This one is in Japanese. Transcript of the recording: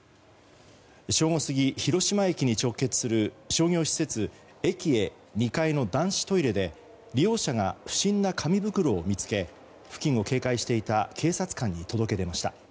正午過ぎ、広島駅に直結する商業施設エキエ２階の男子トイレで利用者が不審な紙袋を見つけ付近を警戒していた警察官に届け出ました。